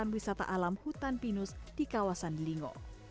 terbeda dari deretan wisata alam hutan pinus di kawasan delingo